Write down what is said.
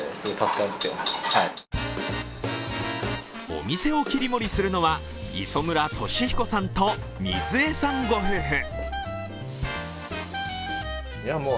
お店を切り盛りするのは磯村俊彦さんと瑞枝さんご夫婦。